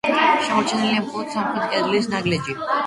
შემორჩენილია მხოლოდ სამხრეთ კედლის ნაგლეჯი.